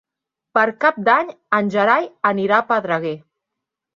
Per Cap d'Any en Gerai anirà a Pedreguer.